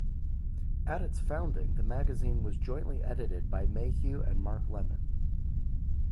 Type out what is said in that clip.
At its founding the magazine was jointly edited by Mayhew and Mark Lemon.